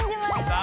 あ！